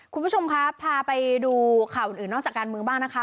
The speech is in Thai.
คุณผู้ชมครับพาไปดูข่าวอื่นนอกจากการเมืองบ้างนะคะ